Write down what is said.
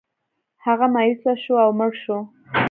هغه مایوسه شو او مړ شو.